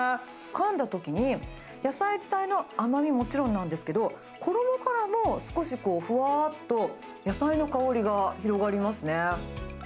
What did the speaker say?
かんだときに、野菜自体の甘み、もちろんなんですけど、衣からも少しこう、ふわーっと野菜の香りが広がりますね。